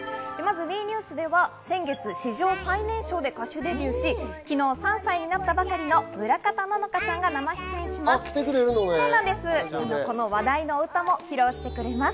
ＷＥニュースでは先月、史上最年少で歌手デビューし、昨日３歳になったばかりの村方乃々佳ちゃんを紹介します。